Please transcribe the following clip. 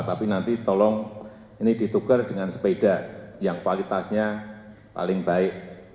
tapi nanti tolong ini ditukar dengan sepeda yang kualitasnya paling baik